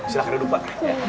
silahkan ya dulu pak